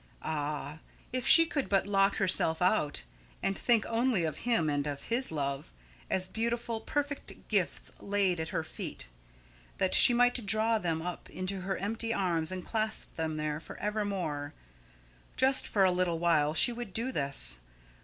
Ah! if she could but lock herself out and think only of him and of his love, as beautiful, perfect gifts laid at her feet, that she might draw them up into her empty arms and clasp them there for evermore. Just for a little while she would do this.